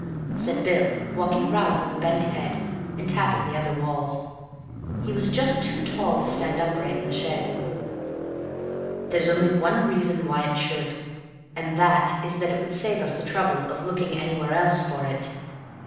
said Bill, walking round with bent head, and tapping the other walls. He was just too tall to stand upright in the shed. "There's only one reason why it should, and that is that it would save us the trouble of looking anywhere else for it.